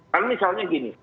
kan misalnya gini